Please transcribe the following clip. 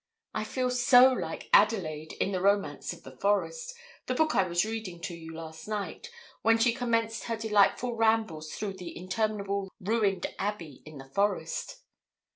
I feel so like Adelaide, in the "Romance of the Forest," the book I was reading to you last night, when she commenced her delightful rambles through the interminable ruined abbey in the forest.'